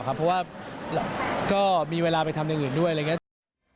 เพราะว่ามีเวลาไปทำเรื่องอื่นด้วย